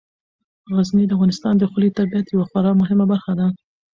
غزني د افغانستان د ښکلي طبیعت یوه خورا مهمه برخه ده.